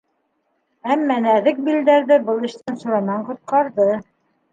Әммә нәҙек билдәрзе был эштән Сураман ҡотҡарҙы.